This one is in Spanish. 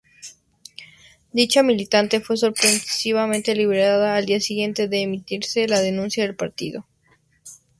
Dicha militante fue sorpresivamente liberada al día siguiente de emitirse la denuncia del partido.